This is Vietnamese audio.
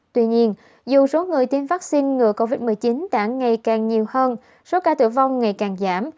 tuy nhiên dù số người tiêm vaccine ngừa covid một mươi chín đã ngày càng nhiều hơn số ca tử vong ngày càng giảm